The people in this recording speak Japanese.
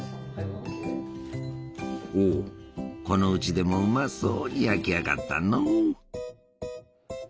おおこのうちでもうまそうに焼き上がったのう！